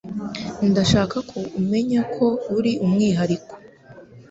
Ndashaka ko umenya ko uri umwihariko